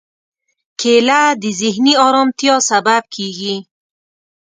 کېله د ذهني ارامتیا سبب کېږي.